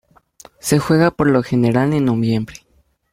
Se juega por lo general en noviembre.